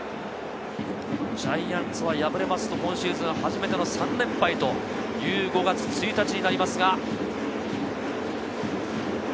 ジャイアンツは敗れますと、今シーズン初めての３連敗という５月１日になりますが。